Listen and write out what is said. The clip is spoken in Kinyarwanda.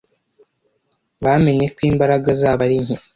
Bamenye ko imbaraga zabo ari nke